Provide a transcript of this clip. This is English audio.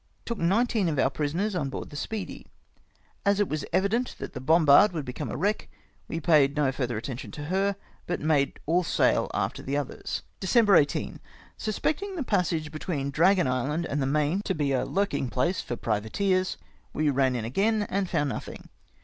Took nineteen of our prisoners on board the Speedy. As it H 2 100 NEARLY CAUGHT BY A SPANISH FEIGATE. was evident that the bombard would become a wreck, we paid no further attention to her, but made all sail after the others. '^'^ December 18. — Suspecting the passage between Dragon Island and the Main to be a ku'king place for privateers, we ran in again, but found nothing.